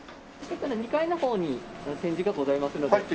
２階の方に展示がございますので。